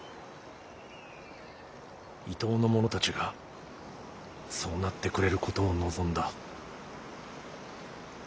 伊東の者たちがそうなってくれることを望んだ。